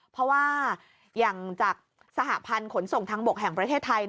เพราะว่าอย่างจากสหพันธ์ขนส่งทางบกแห่งประเทศไทย